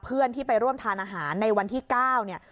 เพื่อนที่ไปร่วมทานอาหารในวันที่๙เนี่ย